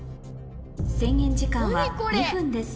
制限時間は２分です